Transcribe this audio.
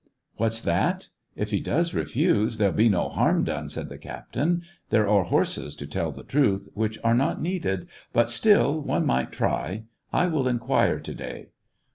" What's that } If he does refuse, there'll be no harm done," said the captain. "There are horses, to tell the truth, which are not needed, but still one might try; I will inquire to day."